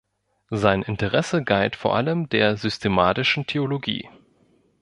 Sein Interesse galt vor allem der Systematischen Theologie.